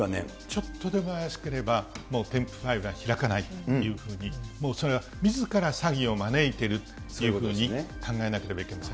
ちょっとでも怪しければ、もう添付ファイルは開かないというふうに、もうそれはみずから詐欺を招いているというふうに考えなければいけません。